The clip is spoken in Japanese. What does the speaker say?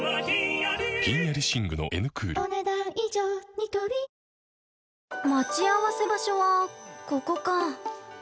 ニトリ◆待ち合わせ場所はここか。